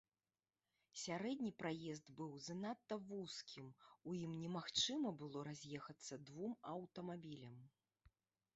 Сярэдні праезд быў занадта вузкім, у ім немагчыма было раз'ехацца двум аўтамабілям.